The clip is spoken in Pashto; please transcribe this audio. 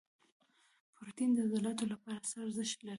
پروټین د عضلاتو لپاره څه ارزښت لري؟